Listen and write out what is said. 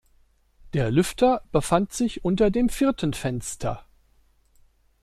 Der Lüfter befand sich unter dem vierten Fenster.